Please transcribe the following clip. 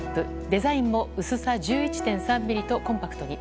デザインも薄さ１１．３ｍｍとコンパクトに。